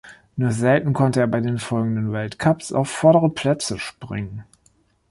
Nur selten konnte er bei den folgenden Weltcups auf vordere Plätze springen.